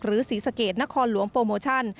ศรีสะเกดนครหลวงโปรโมชั่น